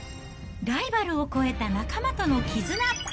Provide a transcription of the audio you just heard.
ライバルを超えた仲間との絆。